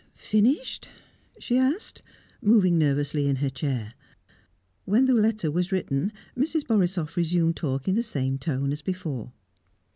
"Finished?" she asked, moving nervously in her chair. When the letter was written, Mrs. Borisoff resumed talk in the same tone as before.